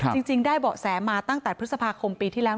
จริงได้เบาะแสมาตั้งแต่พฤษภาคมปีที่แล้ว